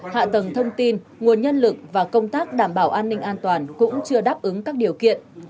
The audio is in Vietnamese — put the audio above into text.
hạ tầng thông tin nguồn nhân lực và công tác đảm bảo an ninh an toàn cũng chưa đáp ứng các điều kiện